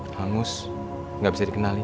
hangus gak bisa dikenalin